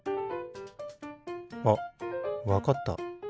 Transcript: あっわかった。